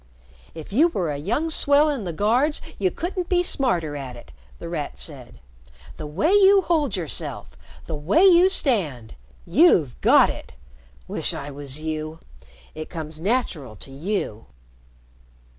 "If you were a young swell in the Guards, you couldn't be smarter at it," The Rat said. "The way you hold yourself! The way you stand! You've got it! Wish I was you! It comes natural to you."